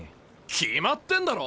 決まってんだろ？